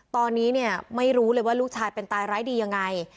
ตอนนี้เนี่ยไม่รู้เลยว่าลูกชายเป็นตายร้ายดียังไง